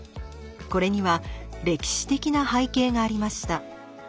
これには歴史的な背景がありました。